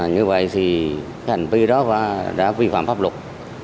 như vậy thì cái hành vi đó đã vi phạm pháp luật